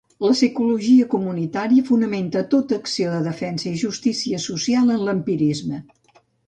La psicologia comunitària fonamenta tota acció de defensa i justícia social en l'empirisme.